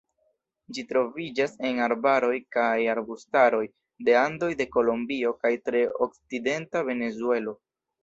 Ĝi troviĝas en arbaroj kaj arbustaroj de Andoj de Kolombio kaj tre okcidenta Venezuelo.